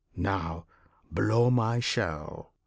Now, blow my shell!"